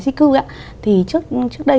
di cư ạ thì trước đây